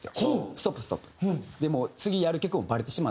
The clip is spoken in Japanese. ストップストップ。でもう次やる曲もバレてしまったし